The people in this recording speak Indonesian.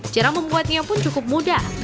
cara membuatnya pun cukup mudah